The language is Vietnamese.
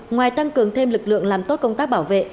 ngoài tăng cường thêm lực lượng làm tốt công tác bảo vệ